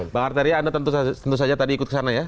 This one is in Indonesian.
bang arteria anda tentu saja tadi ikut kesana ya